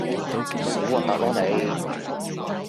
好核突囉你